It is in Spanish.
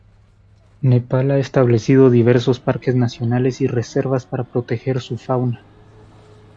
Nepal ha establecido diversos Parques Nacionales y reservas para proteger su fauna.